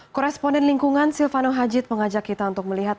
koresponden lingkungan silvano hajid mengajak kita untuk melihat